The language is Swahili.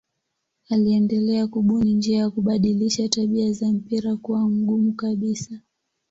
Aliendelea kubuni njia ya kubadilisha tabia za mpira kuwa mgumu kabisa.